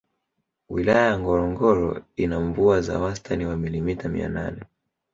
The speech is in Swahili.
Wilaya Ngorongoro ina mvua za wastani wa milimita mia nane